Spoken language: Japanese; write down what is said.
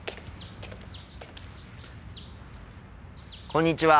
こんにちは。